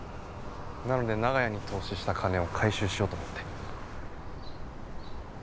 なので長屋に投資した金を回収しようと思って。